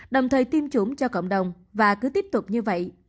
đồng thời tiêm chủng cho cộng đồng và cứ tiếp tục như vậy